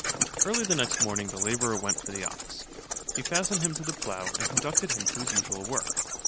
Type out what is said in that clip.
Early the next morning the labourer went for the ox. He fastened him to the plough and conducted him to his usual work.